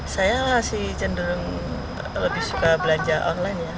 saya masih cenderung lebih suka belanja online ya